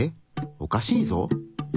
おかしいぞ！